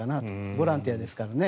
ボランティアですからね。